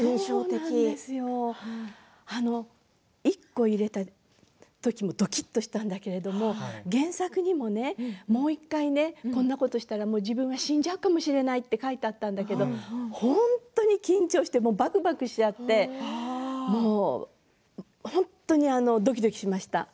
１個入れた時もどきっとしたんだけれど原作にもね、もう１回ねこんなことしたら自分は死んじゃうかもしれないって書いてあったんだけれど本当に緊張してばくばくしちゃって本当に、どきどきしました。